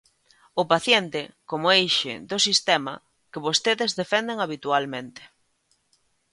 O paciente como eixe do sistema, que vostedes defenden habitualmente.